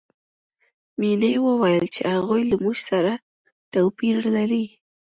مینې وویل چې هغوی له موږ سره توپیر لري